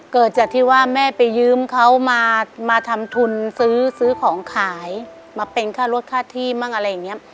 เกิดจากที่ว่าแม่ไปยืมเขามาทำทุนซื้อซื้อของขายมาเป็นค่ารถค่าที่มั่งอะไรอย่างนี้